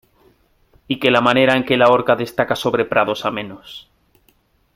Y que la manera en que la horca destaca sobre prados amenos.